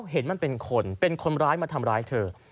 เห็นมันเป็นคนเป็นคนร้ายมาทำร้ายเธอ